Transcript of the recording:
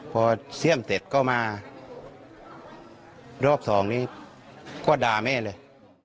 พอเสี่ยมเสร็จก็มารอบสองนี้ก็ด่าแม่เลย